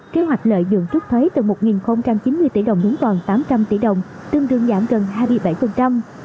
kế hoạch lợi dụng rút thuế từ một chín mươi tỷ đồng xuống còn tám trăm linh tỷ đồng tương đương giảm gần hai mươi bảy